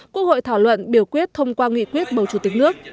quốc hội thảo luận biểu quyết thông qua nghị quyết bầu chủ tịch nước